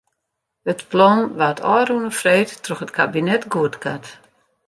It plan waard ôfrûne freed troch it kabinet goedkard.